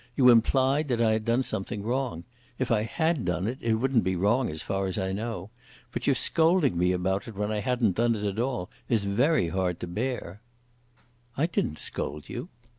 You implied that I had done something wrong. If I had done it, it wouldn't be wrong, as far as I know. But your scolding me about it when I hadn't done it at all is very hard to bear." "I didn't scold you."